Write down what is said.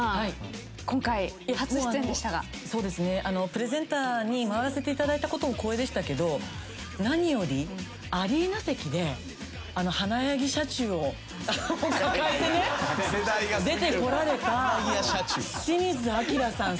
プレゼンターに回らせていただいたことも光栄でしたけど何よりアリーナ席で花柳糸之社中を抱えて出てこられた清水アキラさん。